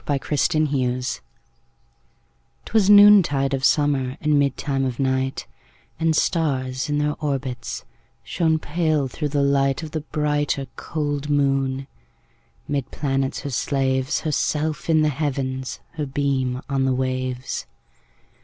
1827 Evening Star 'Twas noontide of summer, And midtime of night, And stars, in their orbits, Shone pale, through the light Of the brighter, cold moon. 'Mid planets her slaves, Herself in the Heavens, Her beam on the waves.